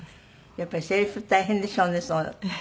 やっぱりセリフ大変でしょうね。